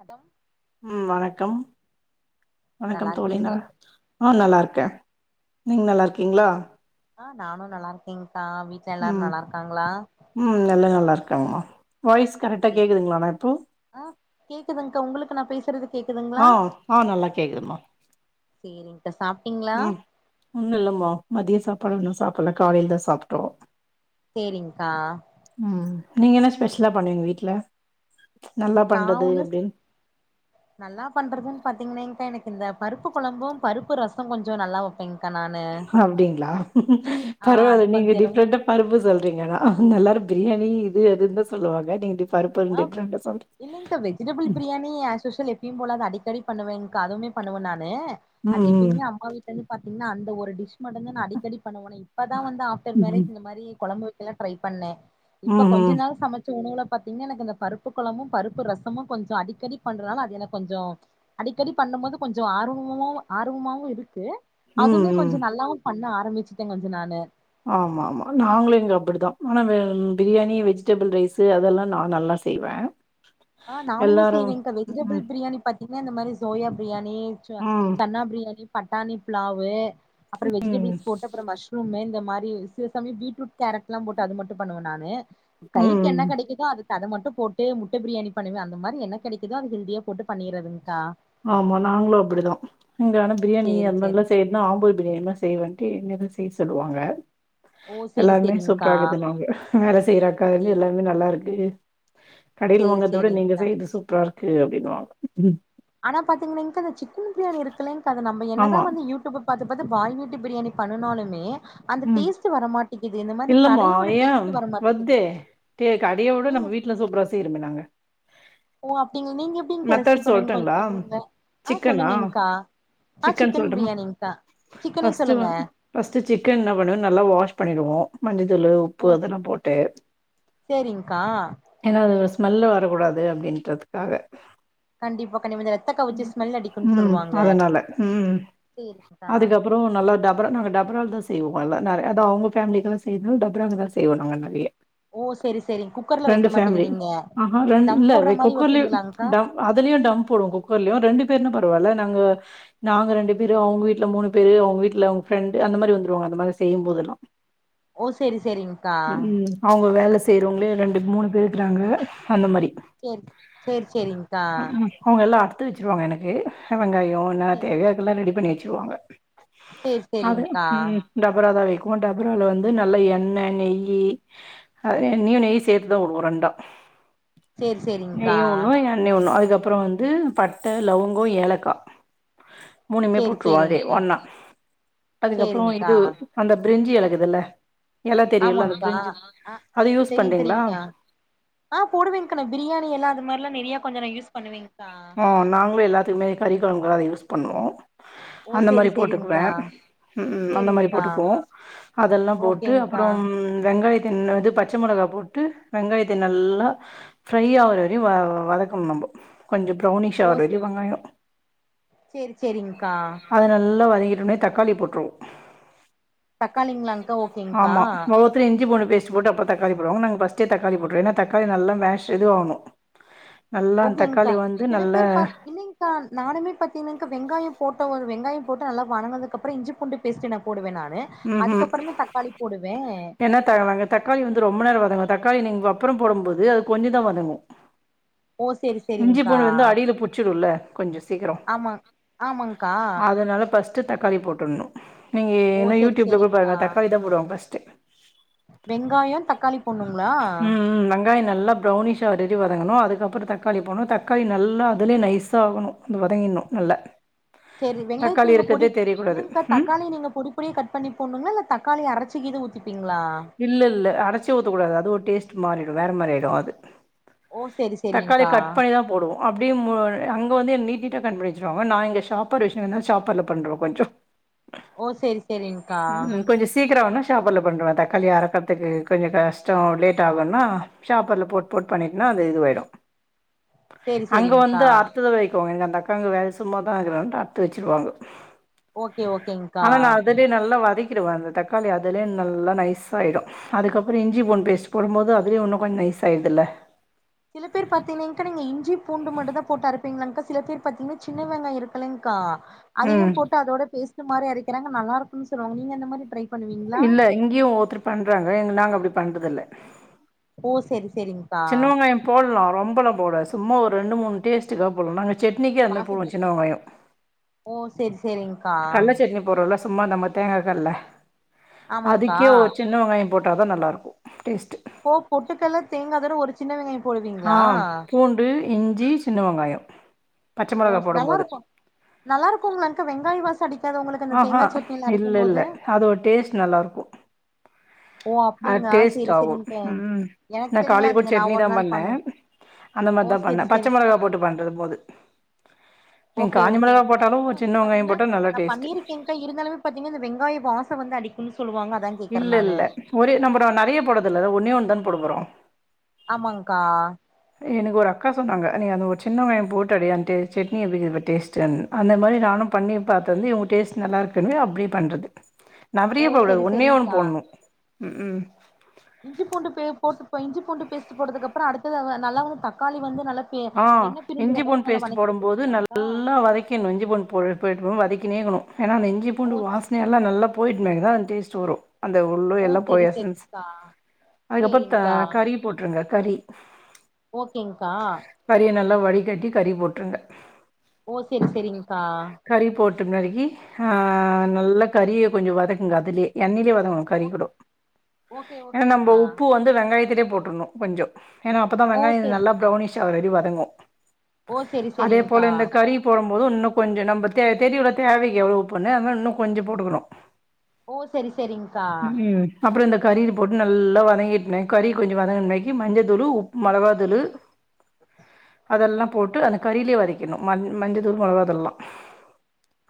அடம் ம் வணக்கம் நல்லா வணக்கம் தோழி நா இருக்கீங்களா ஆ நல்லாருக்கே நீங்க நல்லாருக்கீங்களா ஆ நானு நல்லாருக்கேங்க்கா வீட்ல எல்லாரு ம் நல்லாருக்காங்களா ம் எல்ல நல்லாருக்காங்கம்மா வாய்ஸ் கரெக்டா சே கேக்குதுங்களா நா இப்போ ஆ கேக்குதுங்க்கா உங்களுக்கு நா பேசுறது கேக்குதுங்களா ஆ ஆ நல்லா கேக்குதுமா சேரிங்க்கா சாப்ட்டீங்களா இன்னு இல்லம்மா மதிய சாப்பாடு ஒன்னு சாப்பில்ல காலைலதா சாப்ட்டோ சேரி்ங்க்கா ம் நீங்க என்ன ஸ்பெஷலா பண்ணுவீங்க வீட்ல நல்லா நான் பண்றது ஒண்ணு அப்டின் நல்லா பண்றதுன் பாத்தீங்கன்னாக்கா எனக்கு இந்த பருப்பு கொழம்பு பருப்பு ரச கொஞ்ச நல்லா வெப் ப்பேங்க்கா நானு அப்டிங்களா ஆ அது பரவால்ல நீங்க கொஞ்சோ என்னமோ டிஃப்ரெண்டா பருப்பு சொல்றீங்க ஆனா எல்லாரு பிரியாணி இது அதுன்னதா சொல்லுவாங்க நீங்க பருப்பு டிஃப்ரெண்ட்டா சொல்றீங்க இல்லிங்கா வெஜிடபிள் பிரியாணி அசிஷ்வல் எப்பயும் போலதா அடிக்கடி பண்ணுவேங்கா அதுவுமே பண்ணுவே நானு அது ம் எப்பயுமே அம்மா வீட்டுலருந்து பாத்தீங்கன்னா அந்த ஒரு டிஷ் மட்டும்தா நா அடிக்கடி பண்ணுவனே இப்பதா வந்து ஆஃப்டர் ம் ம் மேரேஜ் இந்த மாரி கொழம்பு வக்கலா ட்ரை பண்ணே இப்ப ம் கொஞ்ச ம் நாள் சமச்ச உணவுல பாத் தீங்கன்னா எனக்கு இந்த பருப்பு கொழம்பு பருப்பு ரசமு கொஞ்ச அடிக்கடி பண்றதுனால அது எனக்கு கொஞ்ச அடிக்கடி பண்ணும் போது கொஞ்ச ஆர்வமா ஆர்வமாவு இருக்கு ம் அதுமே ம் கொஞ்ச நல்லாவு பண்ண ஆரம்பிச்சுட்டே கொஞ்ச நானு ஆமாமா நாங்களு இங்க அப்டிதா ஆனா பிரியாணி வெஜிடபிள் ரைஸு அதெல்லா நா நல்லா செய்வே ஆ நானுமே செய்வேங்கா வெஜிடபிள் ம், பிரியாணி பாத்தீங்கன்னா இந்த மாரி சோயா பிரியாணி சோ ம், சன்னா பிரியாணி பட்டாணி ப்லாவு அப்ற ம், வெஜிடபிள்ஸ் போட்டு அப்புற மஷ் ரூமு இந்த மாரி சில சமய பீட்ரூட் கேரட்ல்லா போட்டு அது மட்டு பண்ணுவே நானு கைக்கு ம். என்ன கெடைக்குதோ அது அத மட்டு போட்டு முட்ட பிரியாணி பண்ணுவே அந்த மாரி என்ன கெடைக்குதோ அது ஹெல்தியா போட்டு பண்ணிறதுங்கா ஆமா நாங்களு அப்டிதா இங்க ஆனா பிரியாணி சேரி சேரி அதுமாரி செய்ய நா ஆம்பூல் பிரியாணி மாரி செய்வேண்டு என்னதா செய்ய சொல்லுவாங்க ஓ சேரி எல்லாருமே சேரிங்க்கா சூப்பராகுதுனுவாங்க வேலை செய்ற அக்காலந்து சேரி எல்லாருமே நல்லா இருக்கு கடைல சேரி வாங்கத விட நீங்க சேரிங்க்கா செய்றது சூப்ராக்கு அப்டின்னுவாங்க ம் ஆனா பாத்தீங்கன்னாங்க இந்த சிக்கன் பிரியாணி இருக்குலேங்கா அது நம்ம என்னதா ஆமா. வந்து யூடியூப் பாத்து பாத்து பாய் வீட்டு பிரியாணி பண்ணுனாலுமே அந்த ம். டேஸ்ட் வர மாட்டேக்கிது இந்த மாரி இல்லம்மா, கடையோட ஏன் டேஸ்ட் வர மாட்டேக்கிது வருதே! டே கடையோட நம்ப வீட்ல சூப்ரா செய்ரோமே நாங்க ஓ அப்டி நீங்க எப்படிங்கா ரெஸிபி மெத்தட் பண்ணுவீங்கு கொஞ்ச சொல்லட்டுங்களா? சொல்றீங்ளா ஆ சிக்கனா? சொல்லுங்கங்கா ஆ சிக்கன் பிரியாணிங்கா சிக்கனே சொல்லுங்க ஃபஸ்ட் சிக்கன் என்னா பண்ணுவ நல்லா வாஷ் பண்ணிடுவோ மஞ்ச தூளு உப் பு ஓ அதெல்லா போட்டு சேரிங்க்கா ஏன்னா அது ஒரு ஸ்மெல்லு வரக்கூடாது அப்டின்றதுக்காக கண்டிப்பா கண்டிப்பா இந்த ரத்த கவுச்சி ஸ்மெல் ம் அதுனால ம் சேரி அதுக்கப்புற நல்லா டபரா நாங்க டப ரால்தா செய்வோ நல்லா நெறைய அதோ அவங்க ஃபேமிலிக்கெல்லா செய்றனால டபராலதா செய்வோ நாங்க நெறைய ஓ சேரி சேரி குக்கர்ல வைக்க ரெண்டு மாட்டீங்க ஃபேமிலி நீங்க ஆ ரெ தம் இல்ல போடுற மாரி குக்கர்லே வைப்பீங்களாங்க்கா அதுலயு டம்ப் போடுவோ குக்கர்லயு ரெண்டு பேருன்னா பரவால்ல நாங்க நாங்க ரெண்டு பேரு அவுங்க வீட்ல மூணு பேரு அவுங்க வீட்ல அவுங்க ஃப்ரெண்டு அந்த மாரி வந்துருவாங்க அந்த மாரி செய்யும் போதெல்லா ஓ சேரி சேரிங்க்கா அவுங்க வேல செய்றவுங்களே ரெண்டு மூணு பேர் இருக்கிறாங்க அந்த மாரி சேரி சேரி சேரி்ங்கா அவுங்க எல்லாம் அருத்து வச்சுருவாங்க எனக்கு சின்ன வெங்காயம் என்ன சேரி தேவயோ அதுல்லா ரெடி பண்ணி வச்சுருவாங்க சேரி அது சேரிங்க்கா ம் டபரா தான் வைக்கும் டபரால வந்து நல்ல எண்ணெய் நெய்யி அது எண்ணயும் நெய்யும் சேத்துதா வுடுவோம் ரெண்டா சேரி சேரிங்க்கா நெயும் உடும் நண்ணி ஒணும் அதுக்கப்றம் வந்து பட்ட லவங்கம் ஏலக்கா மூணுமே சேரி போட்டுருவோம் அதே சேரிங்க்கா ஒன்னா அதுக்கப்றம் சேரிங்க்கா இது அந்த பிரெஞ்சி எல இக்குதுல்ல எல தெரியுல அந்த ஆமாங்க்கா பிரிஞ்சு ஆ அது யூஸ் தெரியு பண்றீங்ளா தெரியுங்க்கா ஆ போடுவேங்கா பிரியாணி எல்லா அது மாரில்லா நறைய கொஞ்ச நா யூஸ் பண்ணுவேங்க்கா ஆ நாங்களும் எல்லாத்துக்குமாரே கறி கொழம்புகலா அத யூஸ் பண்ணுவோ ஓ அந்த சேரி மாரி போட்டுக்குவே சேரிங்க்கா ம் உ அந்த மாரி சேரிங்க்கா போட்டுக்குவோ அதெல்லாம் போட்டு ஓகேங்க்கா அப்றம் வெங்காய என்னது பச்ச மொளகா போட்டு வெங்காயத்த நல்லா ஃப்ரை ஆகற வரயு வதக்கனு நம்ம கொஞ்ச ப்ரௌனிஷ் ஓ ஆற சே வர வெங்காயம் சேரி சேரிங்கா அத நல்லா வதக்கிட்டோன தக்காளி போட்டுருவோ தக்காளிங்களாங்க்கா ஓகேங்க்கா ஆமா இஞ்சி பூண்டு பேஸ்ட் போட்டு அப்பற தக்காளி போடுவங்க நாங்க ஃபஸ்டே தக்காளி போட்ருவே ஏனா தக்காளி நல்லா மேஷ் எது ஆகனும் நல்லா அந்த தக்காளி வந்து நல்ல இல்லேங்கா நானுமே பாத்தீங்கன்னா வெங்காயம் போட்ட வெங்காயம் போட்டு நல்லா வதங்குனதுக்கப்றம் இஞ்சி பூண்டு பேஸ்ட் நா போடுவேன் நானு அதுக்கப்ற தா தக்காளி போடுவே என்னத வாங்கது தக்காளி வந்து ரொம்ப நேரம் வதங்க தக்காளி நீங்க அப்றம் போடும் போது அது கொஞ்ச தா வதங்கும் ஓ செரி இஞ்சி செரிங்க்கா பூண்டு வந்து அடியில புச்சுடுல்ல கொஞ்ச சீக்கர ஆமா ஆமாங்க்கா அதுனால பஸ் தக்காளி போட்ருணு நீங்க ஓ இன்னு செரி யூடியூப்ல கூட செரிங்க்கா பாருங்க தக்காளி தா போடுவாங்க ஃபஸ்ட் வெங்காயோ தக்காளி போட்ணுங்களா ம் ம் வெங்காய் நல்லா ப்ரௌனிஷ் வடி வதங்கணும் அதுக்கப்றம் தக்காளி போனும் தக்காளி நல்லா அதுலே நைசா ஆகணும் வதங்கிணு நல்ல [unintelligible] சரி வெங்காயத்து நீங்க புடி இல்லிங்கக்கா ம் தக்காளி நீங்க புடி அப்டியே கட் பண்ணி போணுங்களா இல்ல தக்காளி அரைச்சுது ஊத்திபிங்களா இல்ல இல்ல அரச்ச ஊத்தக்கூடாது அது ஒரு டேஸ்ட் மாறிவிடும் வேறு மாரிகிடும் அது ஓ செரி தக்காளிய செரிங்க்கா கட் பண்ணி தா போ அப்டியு அங்க நீட்ட கட் பண்ணி வச்சடுவாங்க நா இங்க ஷாப்பர் வச்சுங்கன்னா ஷாப்பர்ல பண்ணுற கொஞ்ச ஓ செரி செரிங்க்கா உ கொஞ்ச சீக்கர வேணும்னா ஷாப்பர்ல பண்வேன் த கல்யா அறக்கறதுக்கு கொஞ்ச கஷ்டம் லேட் ஆகும்ன்னா ஷாப்பர்ல போட்டு போட் பண்ணிட்டுனா அது இதுவாயிடும் செரி [unintelligible] அங்க வந்து செரிங்க்கா அர்த்துதான் வைக்குவோங்க எங்க அக்கா அங்க வேல சும்மாாதா இருக்கறட்டு அத்து வச்சுருவாங்க ஓகே ஓகேங்கா ஆனா நான் அதுலயே நல்லா வதக்கிடுவேன் அந்த தக்காளி அததுலய நல்லா நைஸ் சயிடும் அதுக்கு அப்றம் இஞ்சி பூன் பேஸ்ட் போடும்போது அது கொஞ்சம் நைஸ் ஆகிடுதில்ல சில பேர் பாத்தீங்கன்கா நீங்க இஞ்சி பூண்டு மட்டும் தா போட்டா அ இருப்பீங்கள்கா சில பேர் பாத்தீங்கன்னா சின்ன வெங்காய இருக்கலங்க்கா அதயு ம். போட்டு அதோட பேஸ்ட் மாதி அக்கிறாங்க நல்லா இருக்கும்ன்னு சொல்லாங்க நீங்க இந்த மாரி பண்ணுவீங்களா இல்ல இங்கயும் ஒவ்வோருத்தரு பண்றாங்க எங்க நாங்க அப்டி பண்றது இல்ல ஓ சரி சரிங்க சின்ன வெங்காயம் போடலாம் ரொம்பலாம் போட சும்மா ஒரு ரெண்டு மூணு டேஸ்டு்க போலாம் நா சட்னிக்கு அந்த பூ வாசத்துக்கு சின்ன வெங்காயோ ஓ செரி செரிங் கல்ல சட்னி போறோல்ல சும்மா நம்ம தேங்கா கல்ல ஆமாங்க்கா அதுக்கே ஒரு சின் சின்ன வெங்காயோபோட்டா தா நல்லாயிருக்கு டேஸ்ட்டு ஒ பொட்டுக்கல்ல தேங்காதன ஒருச் சின்ன வெங்காய போடுவீங் ஆம் பூண்டு இஞ்சி சின்ன வெங்காயோ ஓஸ் நல்லா இருக்கு நல்லா இருக்கு மில்லங்கா வெங்காயா வாசோ அடிக்காதா உங்களுக்கு அந்த ஆஹா தேங்கா சட்னில அரைக்கும் இல்ல இல்ல போது அது ஒரு டேஸ்ட் நல்லா இருக்கு ஓ அப்டிங்ளா அடேஸ்ட் செரி ஆவோ செரிங்க்கா எனக்கு நா காலைல தெரியாது கூட இது நா சட்னி ஒரு தா நாள் பண்ண பண்ணுவ அந்த ஓ மாரிதா செரி பண்ண பச்சை மிளகா செரிங்க்கா போட்டு பண்றது போது நீங்க ஓகே காஞ்ச மிளகா ஓகேங்க்கா போட்டாலு சின்ன வெங்காயு போட்டா நல்ல டேஸ்டு ஏன்ட இருந்தாலுமே பாத்தீங் இந்த வெங்காயம் வாசம் வந்து அடிக்குன் சொல்லுவாங்க அத இல்லல்ல ஒரே நம்ரோ நறைய போடதில்லல ஒன்னே ஒண்ணு தான போட போறோ ஆமாங்கா எனக்கு ஒரு அக்கா சொன்னாங்க நீ அந்த ஒரு சின்ன வெங்காயே போட்ட அடிய டேஸ்ட் சட்னி எப்டிக்கிது பார் டேஸ்ட் அந்த மாரி நானும் பண்ணி பாத்ததி இவங் டேஸ்ட் நல்லா இருக்குனவே அப்டியே பண்றது ஓ நவ்ரியே போடகுடாத் செரி ஒன்னே ஒண் செரிங்க்கா போட்ணு இஞ்சி பூண்டு பே போட்டு இஞ்சி பூண்டு பேஸ்ட் போட்டதுக் அப்ரோ அடுத்தது நல்லா வந்து தக்காளி வந்து நல்லா பே ஆ எண்ணெ பிரிஞ்சு இஞ்சி வர பூண்டு அளவுக்கு நல்லா பேஸ்ட் வணக்கி போடும் போது விட்டுருவீங்களாங்க்கா நல்லா வதக் இஞ்சி பூண்டு போயி போயிட் வதக்கினோகினு ஏனா அந்த இஞ்சி ஓ பூண்டு வாசனையெல்லா நல்லாப் போயிட்னேதா அந் டேஸ்ட் வரும் அந்த உள்ளு ஓ செரி எல்லாபோயி எசன்ஸ் செரிங்க்கா அதுக் அப்புரோ சேரிங்க்கா கறி போட்டுருங்க கறி ஓகேங்கா கறிய நல்லா வடிகட்டி கறி போட்ருங்க ஓ செரி செரிங்கா கறி போட்டுங்கறிக்கி ஆ நல்லா கறிய கொஞ்சோ வதக்குங்க அதுலயே எண்ணெயிலயே வதங்கணு கறி ஓ கூடோ ஓகே ஏனா நம்ம ஓகேங்க்கா உப்பு வந்து வெங்காயத்திலே போட்டுட்ணு கொஞ்ஜோ ஏனா அப்பதா ஓ வெங்காயோ செரி நல்லா பௌனிஷ் ஆவர வரி வதங்கு ஓ செரி அதே போல செரிங்க்கா இந்த கறி போடும் போதும் இன்னு கொஞ்ச நம்ம தெ தெரியு இல்ல தேவைக்கு எவ்ளோ உப்புன்னு அது மரி இன்னு கொஞ்ச போடுக்கணு ஓ செரி செரி்ங்கா அப்புற இந்த கறில போட்டு நல்லா வதங்கிட்னே கறி கொஞ்ச வதங்கினேக்கி மஞ்ச தூளு உப்பு மௌவா தூளு அதெல்லா போட்டு அந்த கறிலயே வதக்கிட்னு ம மஞ்ச தூள் மொளவா தூள்ளா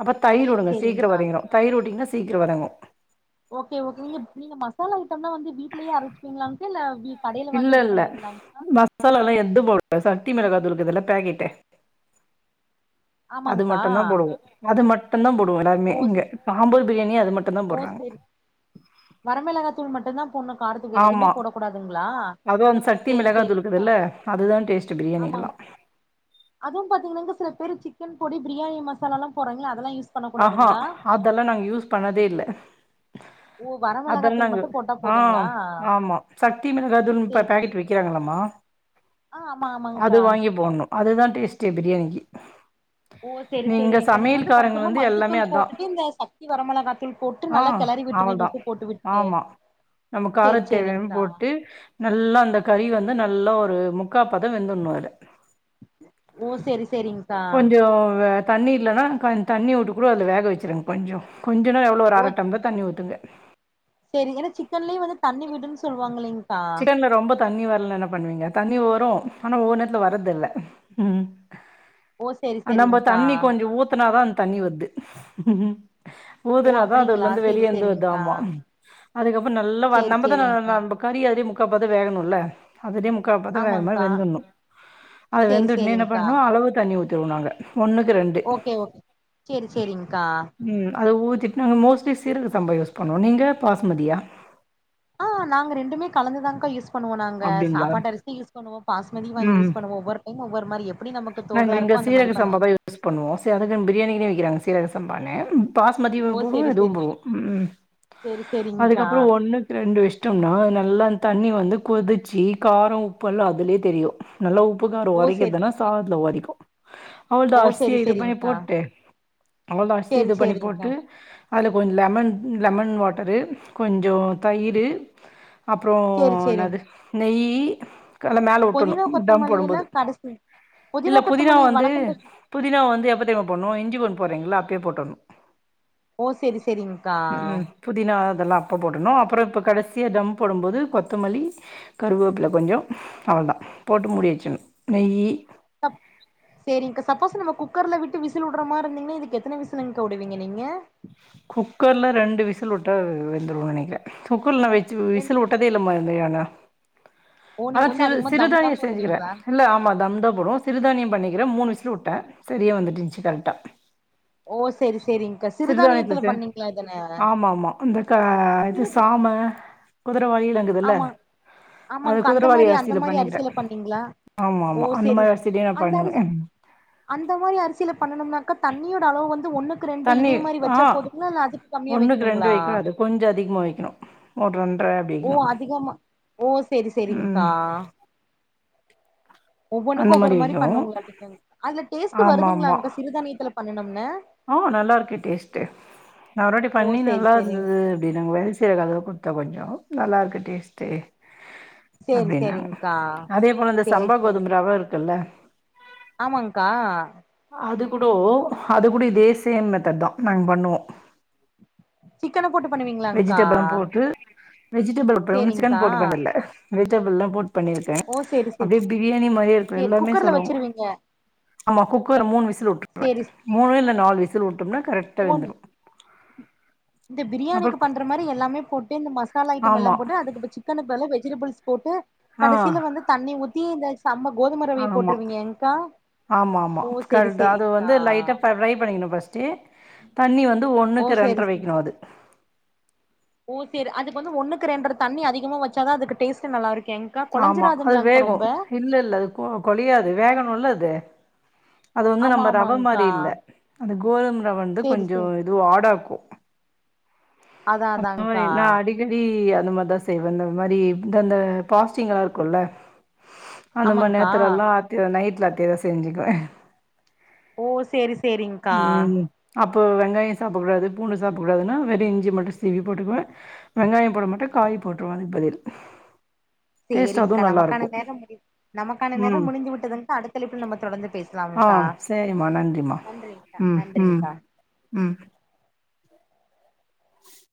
அப்ப தயிர் சேரி வுடுங்க சீக்ர சேரிங்க்கா வதங்கிறோ தயிர்வுட்டீங்னா சீக்கிர வதங்கு ஓகே ஓகே நீங்க நீங்க மசால ஐட்டம்லா வந்து வீட்லயே அரைச்சுப்பீங்ளாங்கா கடைல வாங்கி யூஸ் பண்ணுவீங்ளாங்கா மசாலாலா எந்த போடு சக்தி மிளகாதூள்கீது இல்ல பாக்கெட் அது ஆமாங்க்கா மட்டும்தா போடுவோ அது மட்டும்தா போடுவோ எல்லாருமே ஓ இங்க ஆம்பூர் பிரியாணி அது மட் ஓ சேரி வரமிளகாதூள் மட்டு தா போட்னு காரதுக் ஆமா அதும் அந்த சக்தி சேரி மிளகா சேரிங்க்கா தூள்குதுல்ல அதுதா டேஸ்ட் பிரியாணிக்கல்லா அதுவு பாத்தீங்கன்னாங்க சில பேர் சிக்கன் பொடி பிரியாணி மசாலலா போறாங்க அதெல்லா யூஸ் பண்ணக் ஆஹ கூடாதுங்களா அதெல்லா நாங்க யூஸ் பண்ணதே இல்ல உப அதெல்லா நாங்க ஆ ஆமா சக்தி மிகாதூள் சேரி பாக்கெட் விக்கிறாங்ள்ளம்மா ஆ ஆமா அது ஆமாங்க்கா வாங்கி போட்ணு அதுதா டேஸ்டே பிரியாணிக்கி ஓ சேரி சேரிங்க்கா நீங்க வந்து கொஞ்சோ மி எல்லாமே மஞ்சத்தூள் அதா போட்டு இந்த சக்தி வரமிளகா தூள் போட்டு ஆ நல்லா கெளறி விட்டுவீங்க அவளதா உப்பே போட்டு விட்டு ஆமா நம்ம கார சேரி தேவையாத் சேரிங்க்கா போட்டு நல்லா அந்த கறி வந்து நல்லா ஒரு மு முக்காப்பாதோ வெந்துண்ணு அத ஓ சேரி சேரிங்க்கா கொஞ்சோ வ தண்ணி இல்லனா கொஞ் தண்ணி உட்டு கூட அதில வேக வச்சுருங்க கொஞ்சோ கொஞ்சோனா எவ்ளோ ஒரு அரட்டப்ளர் தண்ணி ஊத்துங்க சேரிங்க ஏன்னா சிக்கன்லயு வந்து தண்ணி விடுன்னு சொல்லுவாங்க இல்லீங்க்கா வீட்ல ரொம்ப தண்ணி வரலனா என்ன பண்ணுவீங்க தண்ணி வரு ஆனா ஒவ்வொர் நேரத்துல வரது இல்ல ம் ஓ சேரி நம்ப சேரிங்க்கா தண்ணி கொஞ்சோ ஊத்தனாதா அந்த தண்ணி வராது ஓ ஊதுனாதா அது உள்ள அப்டிங்களா இருந்து சேரி வெளியேந்து சேரிங்க்கா ஆமா அதுக்கப்புறோ நல்லா வ சேரி நம்பதா ஆ சேரிங்க்கா நம்ப கறி அதுலே முக்கா பதோ வேகணுல்ல அதோடே முக்கால் பதோ வேவ்ற மாரி ஆமாங்க்கா வெந்துடணு அது சேரி வெந்துட்னே என்ன சேரிங்க்கா பண்ணு அளவு தண்ணி ஊச் த்துவோ நாங்க ஒன்னுக்கு ரெண்டு ஓகே ஓகே சேரி சேரிங்க்கா ம் அத ஊத்திட்டு நாங்க மோஸ்ட்லி சீரக சம்ப யூஸ் பண்ணுவோ நீங்க பாஸ்மதியா ஆ நாங்க ரெண்டுமே கலந்துதான்க்கா யூஸ் பண்ணுவோ நாங்க அப்டிங்களா சாப்பாடு அரிசியு யூஸ் பண்ணுவோ பாஸ்மதி வாங்கியு ம் யூஸ் பண்ணுவோ ஒவ்வரு டைம் ஒவ்வொரு மாரி எப்டி நமக்கு தோதா இரு இந்த சீரக சம்பா தா யூஸ் பண்ணுவோ சேர் அதுக்குன் பிரியாணிக்குனே வைக்கறாங்க சீரக சம்பானு பாஸ் மதியு ஓ போடுவோ சேரி இதுவு சேரி போடு ம் ம் சேரி சேரிங்க்கா அதுக்கப்புறோ ஒண்ணு ரெண்டு இஷ்டம்னா நல்லா தண்ணி வந்து கொதிச்சு காரம் உப்பல்லா அதுலே தெரியு நல்லா உப்புகாரோ‌ ஓ சேரி உரைக்கதுன்னா சாதத்துல உதைக்கு அவுள்தா ஓ அரிசிய சேரி இது பண்ணி சேரிங்க்கா போட்டு அவ்ளோதா அரிசி சேரி இது பண்ணி சேரிங்க்கா போட்டு அதுல கொஞ்சோ‌ லெமன் லெமன் வாட்டரு கொஞ்சோத‌ தயிரு அப்புறோ சேரி சேரிங் என்னது நெய்யி கல ஆ மேல உட்டணும் புதினா தம் கொத்தமல்லி எல்லா போடும்போது கடைசி இல்ல புதினா புதினாவ கொத்தமல்லி வந்து வணக்கம் பேச புதினாவ வந்து எப்ப தெர்மா போணு இஞ்சி பூண்டு போட்றீங்களா அப்பே போட்றணு ஓ சேரி சேரிங்க்கா ம் புதினா அதெல்லா அப்ப போடணு அப்புறோ இப்போ கடைசியா தம் போடும்போது கொத்தமல்லி கருவேப்பில் கொஞ்சோ அவ்ள் தா போட்டு மூடி வச்சணு நெய்யி தப் சேரிங்க்கா சப்போஸ் நம்ம குக்கர்ல விட்டு விசில் உடுற மார்ந்தீங்கன்னா இதுக்கு எத்தன விசிலுங்க்கா உடுவீங்க நீங்க குக்கர்ல ரெண்டு விசில் உட்டா வெந்துரு நனைக்கற குக்கர்ள்ல்லா வச்சு ரெண் விசில் உட்டதே இல்ல இது மாரி நாங்க ஓ ஆனா நீங்க வந்து சிறு அதிகமா தம் தா சிறுதானியோ செஞ்சுக்கிற போடுவீங்களா இல்ல ஆமா தம்தா போடுவோ சிறதானியோ பண்ணிக்கிற மூணு விசில் உட்ட சரியா வந்துட்டுந்துச்சு கரெக்டா ஓ செரி செரிங்க்கா சிறுதானியத்துல பண்ணீங்களா இதன ஆமாமா இந்த க இது சிறுது சாம குதிரவாளியில துல ஆமா அத ஆமாங்க்கா அந்த குதிரவாளி மாரி அந்த அரிசியில மாரி பண்ணிக்கிற அரிசில பண்ணீங்களா ஆமா ஓ ஆமா அந்த சேரி மாரி சே அரிசிலியு நா அந்த பண்ணுவ அரிசி அந்த மாரி அரிசியில பண்ணனும்னாக்கா தண்ணியோட அளவு வந்து ஒண்ணுக்கு ரெண்டு தண்ணி இதே மாரி ஆ வச்சா போதுங்களா இல்ல அதுக் ஒண்ணுக்கு ரெண்டு வைக்கூடாது கொஞ்சோ அதிகமா வைக்கணு ஒரு ரெண்ர அப்டி ஓ வைக்கனு அதிகமா ஓ சேரி சேரிங்க்கா ம் ஒவ்வொண்ணுக்கு அந்த ஒவ்வொரு மாரி வைக்கணு பண்ணுங்ளாட்க்டுங் அதுல டேஸ்ட்டு ஆமா ஆமா வருதுங்களாங்க சிறுதானியத்துல பண்ணனும்ன ஆ நல்லா இருக்கே டேஸ்ட்டு நா ஓருவாட்டி ஓ பண்ணி சேரி நல்லா சேரிங் இருந்தது அப்டின்னாங்க வேல செய்ரக்காகு குடுத்த கொஞ்சோ நல்லா இருக்கு டேஸ்ட்டு சேரி அப்டின்னாங்க சேரிங்க்கா அதே போல இந்த சேரி சம்பா சேரி கோதும ரவ இருக்குல்ல ஆமாங்க்கா அது கூடோ அது கூட இதே சேம் மெத்தட் தா நாங்க பண்ணுவோ சிக்கன போட்டு பண்ணுவீங்ளா வெஜிடபிளா போட்டு வெஜிடபிள் பிரௌன்ஸ்ன் சேரிங்க்கா போட்டு பண்ணல வெஜிடபிள்ல்லா போட்டு பண்ணி க ஓ சேரி சேரி அப்டியே பிரியாணி மாரியே இருக்கு சேரி எல்லாமே குக்கர்ல சொல்லுவோங்க வச்சிருவீங்க ஆமா குக்கர் மூணு விசில் உட்டுறவ சேரி மூணு இல்ல நாலு விசில் உட்டோம்னா கரெக்டா ஓ வெந்துரு இந்த அப்றோ பிரியாணிக்கு பண்ற மாரி எல்லாமே போட்டு இந்த மசாலா ஐட்டம் எல்லா ஆமா போட்டு அதுக்குபச்ச சிக்கனுக் பதிலா வெஜிடபிள்ஸ் போட்டு ஆ கடைசில வந்து தண்ணி ஊத்தி இந்த சம்ம கோதும ரவ்வைய போட்ருவீங்க கா ஆமாமா கரைட்டு அத வந்து லைட்டா ப ப்ரை பண்ணிக்கணு ஃபஸ்ட்டு தண்ணி வந்து ஓ ஒன்னுக்கு சேரி ரெண்ற சேரி வைக்கணு அது ஓ சர் அதுக்கு வந்து ஒன்னுக்கு ரெண்ற தண்ணி அதிகமா வச்சாதா அதுக்கு டேஸ்ட்டு நல்லா இருக்கேங் ஆமா அது வேகு இல்ல இல்ல அது கொ கொழியாது வேகனுல்ல அது அது உண்ம தா ஆமா பா ரவ மாரி ஆமாங்க்கா இல்ல அந்த கோதும ரவ வந்து சேரி கொஞ்சோ சேரி இதுவு ஆடாக்கு அதா அதாங்கா டி அந்த மாரிதா செய்வ இந்த மாரி இந்தந்த பாஸ்ட்ங் எல்லா இருக்குல்ல அந்த மாரி ஆமாங்க்கா நேரத்லல்லா அத்தி நைட்ல அத்தி செஞ்சுக்குவ ஓ சேரி சேரி்ங்கா ம் அப்போ வெங்காயோ சாப்டக்கூடாது பூண்டு சாப்டக்கூடாதுன்னா வெறு இஞ்சி மட்டு சிவி போட்டுக்குவ வெங்காயோ போடமாட்ட காய் போட்ருவ அதுக்கு பதில் டேஸ்ட் சேரிங்க்கா அதுவும் நமக்கான நல்லாருக்கும். நேரம் முடி நமக்கான நேரம் ம். முடிந்து விட்டதுங்க்கா அடுத்தழைப்ல நம்ம தொடர்ந்து பேச ஆ சேரிமா நன்றிமா நன்றிங்க்கா ம் ம் நன்றிங்க்கா ம்